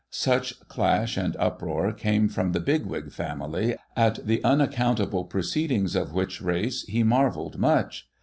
Such clash and uproar came from the Bigwig family, at the unaccountable proceedings of which race, he marvelled much.